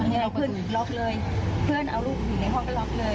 เอาประตูล็อกเลยเพื่อนเอาลูกถึงในห้องก็ล็อกเลย